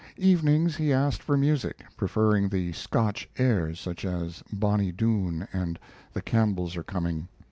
Evenings he asked for music, preferring the Scotch airs, such as "Bonnie Doon" and "The Campbells are Coming."